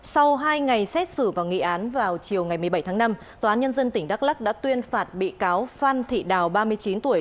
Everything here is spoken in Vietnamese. sau hai ngày xét xử và nghị án vào chiều ngày một mươi bảy tháng năm tòa án nhân dân tỉnh đắk lắc đã tuyên phạt bị cáo phan thị đào ba mươi chín tuổi